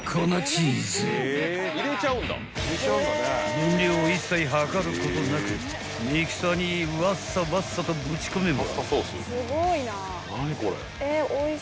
［分量を一切量ることなくミキサーにワッサワッサとぶち込めば］